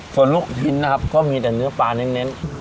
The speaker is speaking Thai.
ส่วนลูกชิ้นนะครับก็มีแต่เนื้อปลาเน้น